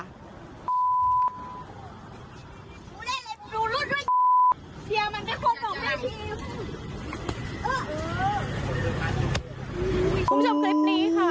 คุณผู้ชมคลิปนี้ค่ะ